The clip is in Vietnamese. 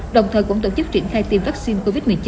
đồng thời cũng tổ chức triển khai tiêm vaccine covid một mươi chín